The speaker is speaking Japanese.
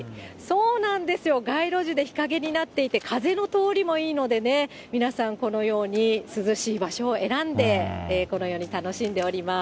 そうなんですよ、街路樹で日陰になっていて、風の通りもいいのでね、皆さんこのように涼しい場所を選んで、このように楽しんでおります。